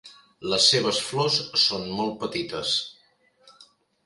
Les seves flors són molt petites.